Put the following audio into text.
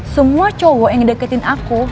semua cowok yang deketin aku